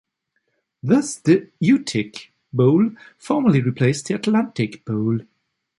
Thus, the Uteck Bowl formally replaced the Atlantic Bowl.